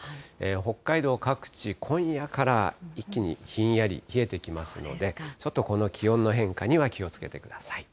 北海道各地、今夜から一気にひんやり冷えてきますので、ちょっと、この気温の変化には気をつけてください。